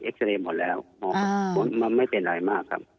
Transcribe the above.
ซาเรย์หมดแล้วผลมันไม่เป็นอะไรมากครับ